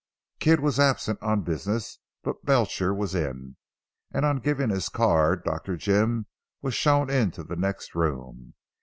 Kidd was absent on business, but Belcher was in, and on giving his card, Dr. Jim was shown into the next room.